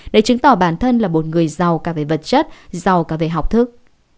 để chứng tỏ bản thân là một người giàu cả về vật chất giàu cả về học thức